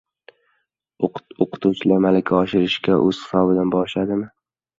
O`qituvchilar malaka oshirishga o`z hisobidan borishadimi?